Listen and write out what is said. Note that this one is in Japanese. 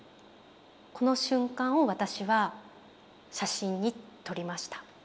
この瞬間を私は写真に撮りました。